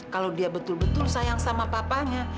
kalau dia betul betul sayang sama papanya